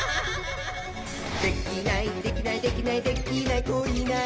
「できないできないできないできない子いないか」